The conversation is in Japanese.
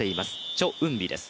チョ・ウンビです。